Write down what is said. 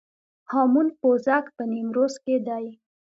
هامون پوزک په نیمروز کې دی